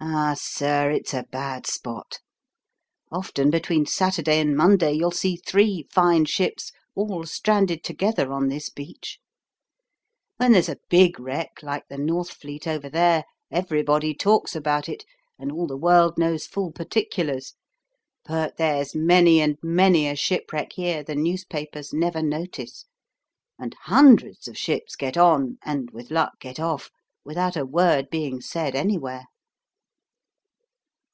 Ah, sir, it's a bad spot. Often between Saturday and Monday you'll see three fine ships all stranded together on this beach. When there's a big wreck like the Northfleet over there, everybody talks about it, and all the world knows full particulars. But there's many and many a shipwreck here the newspapers never notice, and hundreds of ships get on, and with luck get off, without a word being said anywhere."